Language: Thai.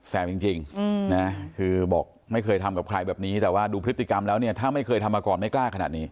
จริงนะคือบอกไม่เคยทำกับใครแบบนี้แต่ว่าดูพฤติกรรมแล้วเนี่ยถ้าไม่เคยทำมาก่อนไม่กล้าขนาดนี้